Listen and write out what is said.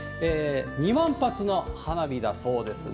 ２万発の花火だそうですね。